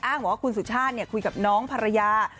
อ้างบอกว่าคุณสุชาติเนี่ยคุยกับน้องภรรยา